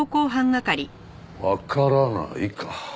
わからないか。